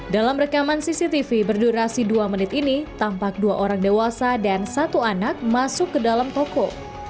dalam rekaman cctv berdurasi dua menit ini tampak dua orang dewasa dan satu anak masuk ke dalam toko